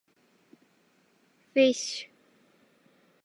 fish